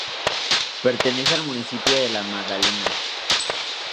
Pertenece al municipio de La Maddalena.